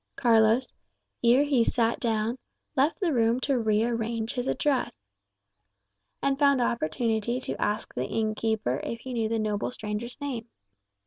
Carlos, ere he sat down, left the room to re arrange his dress, and found opportunity to ask the innkeeper if he knew the noble stranger's name.